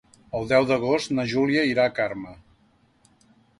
El deu d'agost na Júlia irà a Carme.